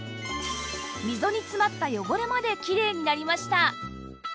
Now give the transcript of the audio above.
溝に詰まった汚れまできれいになりました